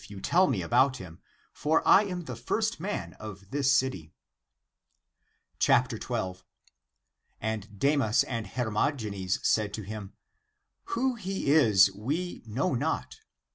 ACTS OF PAUL 19 tell me about him; for I am the first man of this city." 12. And Demas and Hermogenes said to him, " Who he is we know not.